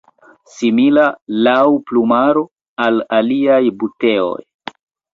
Simila laŭ plumaro al aliaj buteoj.